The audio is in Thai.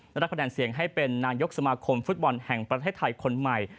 ได้รับคะแนนเสียงให้เป็นนายกสมาคมฟุตบอลแห่งประเทศไทยคนใหม่